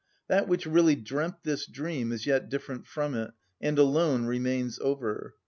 That which really dreamt this dream is yet different from it, and alone remains over.